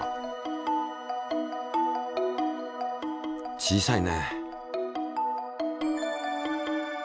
小さいね。